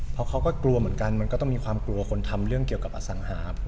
เพราะเขาก็กลัวเหมือนกันมันก็ต้องมีความกลัวคนทำเรื่องเกี่ยวกับอสังหา